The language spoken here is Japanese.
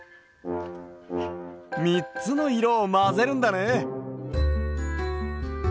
みっつのいろをまぜるんだね。